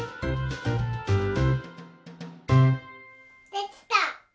できた！